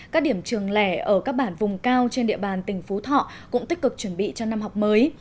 các điểm trường lẻ ở các bản vùng cao trên địa bàn tỉnh phú thọ cũng tích cực chuẩn bị cho năm học mới